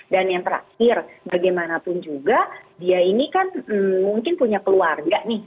dan yang terakhir bagaimanapun juga dia ini kan mungkin punya keluarga nih